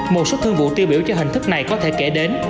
một số thương vụ tiêu biểu cho hình thức này có thể kể đến